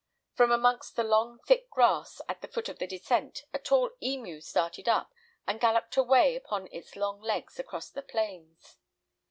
From amongst the long thick grass at the foot of the descent a tall emu started up, and galloped away upon its long legs across the plains.